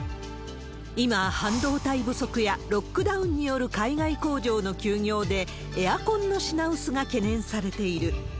今、半導体不足やロックダウンによる海外工場の休業で、エアコンの品薄が懸念されている。